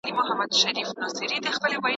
پرېږده چي اتڼ مو پنجابي رقیبان وویني